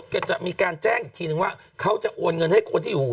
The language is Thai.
ก็จะมีการแจ้งอีกทีนึงว่าเขาจะโอนเงินให้คนที่อยู่